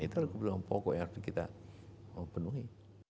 itu adalah kebutuhan pokok yang harus kita penuhi